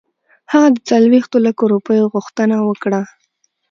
هغه د څلوېښتو لکو روپیو غوښتنه وکړه.